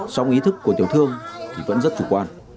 sống ý thức của tiểu thương vẫn rất trục quan